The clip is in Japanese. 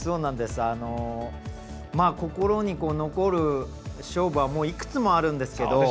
心に残る勝負はいくつもあるんですけど。